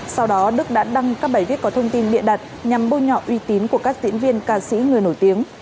sau đó đức đã đăng các bài viết có thông tin biện đặt nhằm bôi nhọ uy tín của các diễn viên ca sĩ người nổi tiếng